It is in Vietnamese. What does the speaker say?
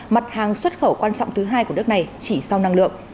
mặt hàng xuất khẩu quan trọng thứ hai của nước này chỉ sau năng lượng